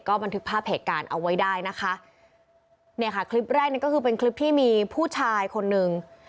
บันทึกภาพเหตุการณ์เอาไว้ได้นะคะเนี่ยค่ะคลิปแรกนี่ก็คือเป็นคลิปที่มีผู้ชายคนหนึ่ง